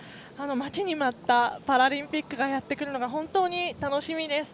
待ちに待ったパラリンピックがやってくるのが本当に楽しみです。